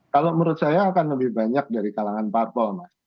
kalau menurut saya akan lebih banyak dari kalangan parpol mas